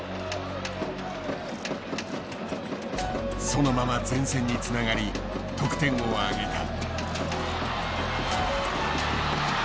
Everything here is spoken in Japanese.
そのまま前線につながり得点をあげた。